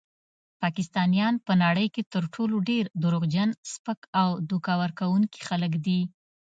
پاکستانیان په نړۍ کې تر ټولو ډیر دروغجن، سپک او دوکه ورکونکي خلک دي.